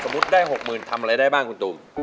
สมมุติได้๖หมื่นทำอะไรได้บ้างคุณตุ่ม